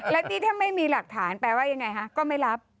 แล้วนี่ถ้าไม่มีหลักฐานแปลว่ายังไงคะก็ไม่รับ